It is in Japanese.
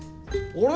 あれ？